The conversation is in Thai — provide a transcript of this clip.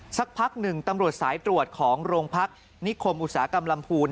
สักพักหนึ่งตำรวจสายตรวจของโรงพักนิคมอุตสาหกรรมลำพูน